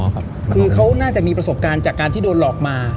คือเขาน่าจะมีประสบการณ์จากการที่โดนหลอกมา